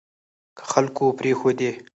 که خلکو پرېښودې